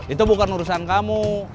itu bukan urusan kamu